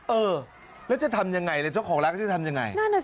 เออแล้วจะทำยังไงเลยเจ้าของร้านก็จะทำยังไง